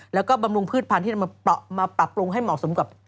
แล้วก็บำรุงพืชพันธุ์มาปรับปรุงให้เหมาะสมกับ